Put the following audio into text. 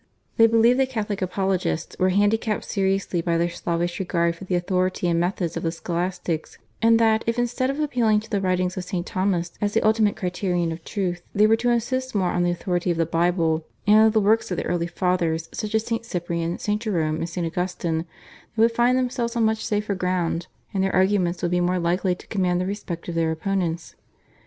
They believed that Catholic apologists were handicapped seriously by their slavish regard for the authority and methods of the Scholastics, and that if instead of appealing to the writings of St. Thomas as the ultimate criterion of truth they were to insist more on the authority of the Bible and of the works of the Early Fathers, such as St. Cyprian, St. Jerome, and St. Augustine, they would find themselves on much safer ground, and their arguments would be more likely to command the respect of their opponents.